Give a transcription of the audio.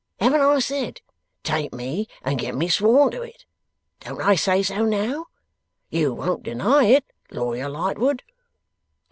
Haven't I said, Take me and get me sworn to it? Don't I say so now? You won't deny it, Lawyer Lightwood?